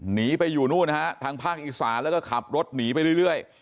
หนีไปอยู่นู่นนะฮะทางภาคอีสานแล้วก็ขับรถหนีไปเรื่อย